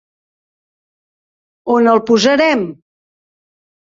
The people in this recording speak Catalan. On el posarem?